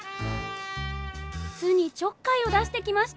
巣にちょっかいを出してきました。